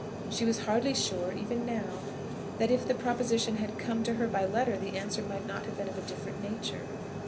She was hardly sure even now that if the proposition had come to her by letter the answer might not have been of a different nature.